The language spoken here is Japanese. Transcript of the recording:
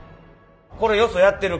これよそやってる？